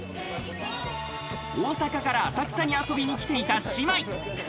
大阪から浅草に遊びに来ていた姉妹。